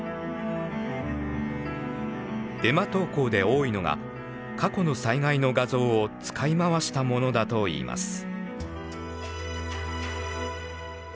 デマ投稿で多いのが過去の災害の画像を使い回したものだといいます。